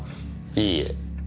いいえ。